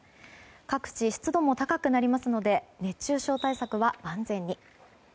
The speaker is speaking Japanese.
各地湿度も高くなりますので熱中症対策は万全に。